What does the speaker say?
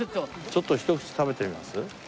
ちょっとひと口食べてみます？